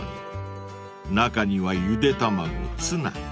［中にはゆで卵ツナ］